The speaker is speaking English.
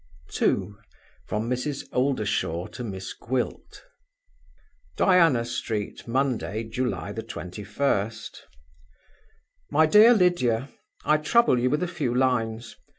2. From Mrs. Oldershaw to Miss Gwilt. "Diana Street, Monday, July 21st. "MY DEAR LYDIA I trouble you with a few lines.